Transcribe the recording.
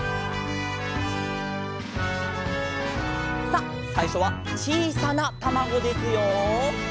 さあさいしょはちいさなたまごですよ！